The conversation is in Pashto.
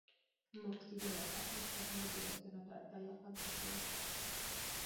مفتي لائق احمد غزنوي د واکسينو د اتل لقب ګټلی